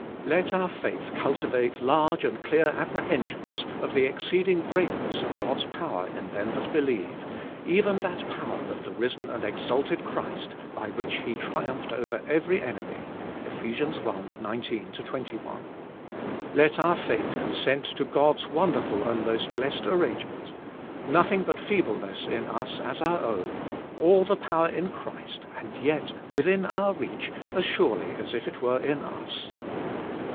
Let our faith cultivate large and clear apprehensions of the exceeding greatness of God's power in them that believe, eve^i that power of the risen and exalted Christ by which He triumphed over every enemy {Eph. i, 19 21). Let our faith consent to God's won derful and most blessed arrangement: nothing but feebleness in us as our own^ all the power in Christ, and yet within our reach as surely as if it were in us.